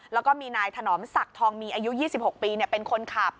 แล้วก็มีนายถนอมศักดิ์ทองมีอายุ๒๖ปีเป็นคนขับ